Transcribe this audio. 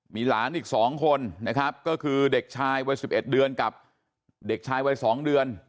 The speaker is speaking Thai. มีหลานอีก๒คนนะครับก็คือเด็กชายวัย๑๑เดือนกับเด็กชายวัย๒เดือน